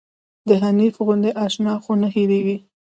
د حنيف غوندې اشنا خو نه هيريږي